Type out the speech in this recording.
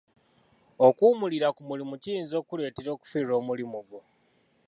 Okuwummulira ku mulimu kiyinza okuletera okufirwa omulimu gwo.